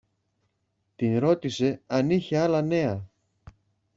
Την ρώτησε αν είχε άλλα νέα.